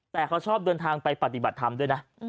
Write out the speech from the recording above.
แต่เขาชอบเดินทางไปปฏิบัติธรรมด้วยนะ